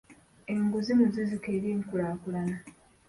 Enguzi muziziko eri enkulaakulana.